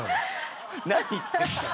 何言ってんすか。